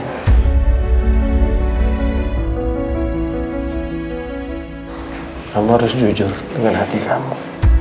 kamu harus jujur dengan hati saya